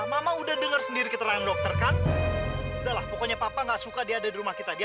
ya udah denger sendiri keterangan dokter kan pokoknya papa enggak suka di rumah kita dia